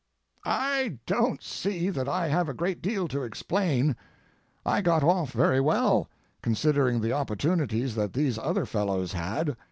I don't see that I have a great deal to explain. I got off very well, considering the opportunities that these other fellows had.